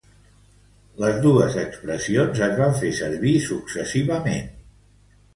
Les dos expressions es van fer servir successivament.